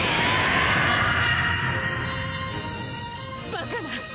バカな！？